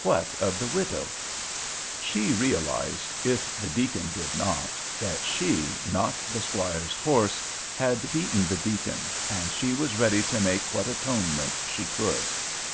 What of the widow? She realized, if the deacon did not, that she, not the squire's horse, had beaten the deacon's, and she was ready to make what atonement she could.